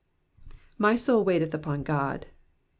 i/y sotU waiteth upon Qod.''''